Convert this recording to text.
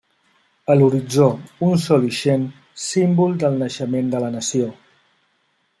A l'horitzó, un sol ixent, símbol del naixement de la nació.